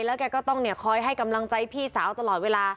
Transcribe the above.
แล้วแกก็ต้องคอยให้กำลังใจพี่สาวตลอดเวลา